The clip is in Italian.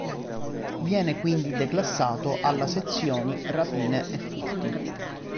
Viene quindi declassato alla sezioni rapine e furti.